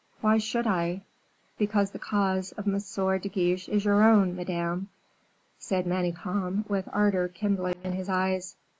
"Why should I?" "Because the cause of M. de Guiche is your own, Madame," said Manicamp, with ardor kindling in his eyes.